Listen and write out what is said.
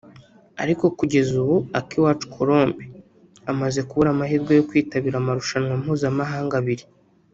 ariko kugeza ubu Akiwacu Colombe amaze kubura amahirwe yo kwitabira amarushanwa mpuzamahanga abiri